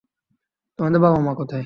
তোমাদের বাবা-মা কোথায়?